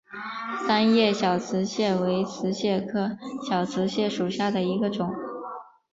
三叶小瓷蟹为瓷蟹科小瓷蟹属下的一个种。